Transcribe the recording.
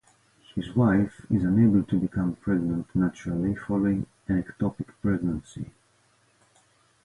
His wife is unable to become pregnant naturally following an ectopic pregnancy.